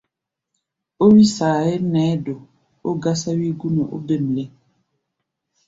Ó bíí saayé nɛɛ́ do, ó gásáwí gú nɛ ó bêm lɛ́ŋ.